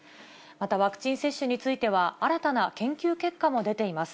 また、ワクチン接種については、新たな研究結果も出ています。